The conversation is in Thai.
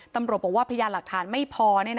ตำรวจบอกว่าพยานหลักฐานไม่พอ